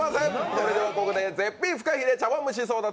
それではここで絶品ふかひれ茶碗蒸し争奪！